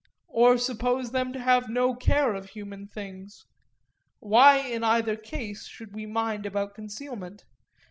or, suppose them to have no care of human things—why in either case should we mind about concealment?